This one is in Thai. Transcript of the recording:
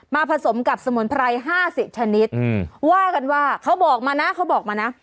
มาผสมกับสมุนไพร๕๐ชนิดว่ากันว่าเขาบอกมานะ